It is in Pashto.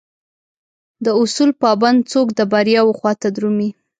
داصول پابند څوک دبریاوخواته درومي